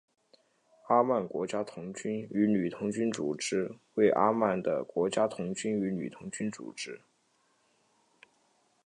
阿曼国家童军与女童军组织为阿曼的国家童军与女童军组织。